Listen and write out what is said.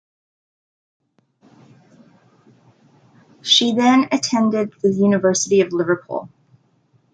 She then attended the University of Liverpool.